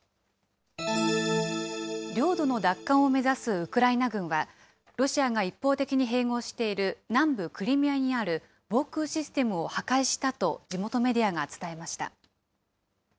領土の奪還を目指すウクライナ軍は、ロシアが一方的に併合している南部クリミアにある防空システムを破壊したと地元メディアが伝えました。